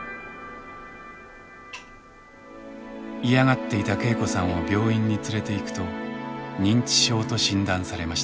嫌がっていた恵子さんを病院に連れていくと認知症と診断されました。